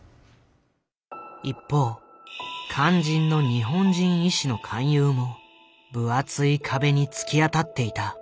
一方肝心の日本人医師の勧誘も分厚い壁に突き当たっていた。